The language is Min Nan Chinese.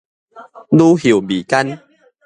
乳臭未乾